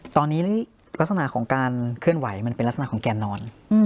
ตอนนี้ลักษณะของการเคลื่อนไหวมันเป็นลักษณะของแกนนอน